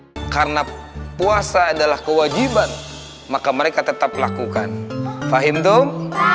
hai karena puasa adalah kewajiban maka mereka tetap lakukan fahim dong